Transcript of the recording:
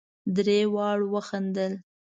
درې واړو وخندل.